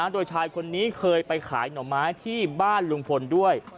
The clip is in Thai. โดยชายคนนี้เคยไปขายหน่อไม้ที่บ้านลุงพลด้วย